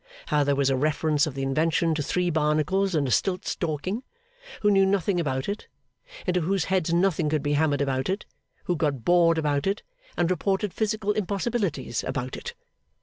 How there was a reference of the invention to three Barnacles and a Stiltstalking, who knew nothing about it; into whose heads nothing could be hammered about it; who got bored about it, and reported physical impossibilities about it.